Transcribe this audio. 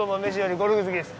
ゴルフ好きです。